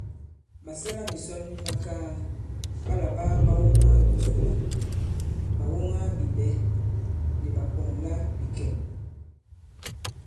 Ɓàsɛlamìsɔn mi makaa ɓa làɓa ɓàwoŋabìkolà, ɓàwoŋabiɓɛ̌ ni ɓàpɔ̀ŋlabìkɛ̀n.